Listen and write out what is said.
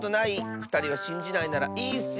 ふたりはしんじないならいいッスよ。